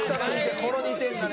この２点がね。